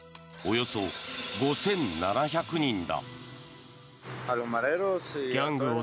およそ５７００人だ。